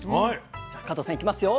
じゃあ加藤さんいきますよ。